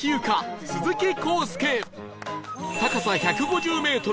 高さ１５０メートル